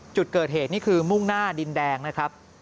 จุดเกิดเหตุนี่คือมุ่งหน้าดินแดงนะครับ